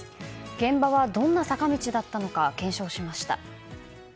現場はどんな坂道だったのか検証しました。